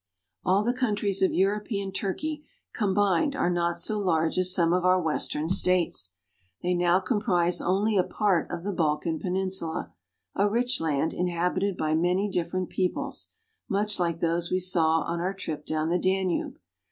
All the countries of European Turkey combined are not so large as some of our Western states. They now comprise only a part of the Balkan Peninsula, a rich land, inhabited by many different peoples, much like those we saw on our trip down the Danube.